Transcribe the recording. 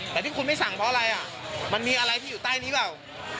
แต่ที่คุณไม่สั่งเพราะอะไรอ่ะมันมีอะไรที่อยู่ใต้นี้เปล่า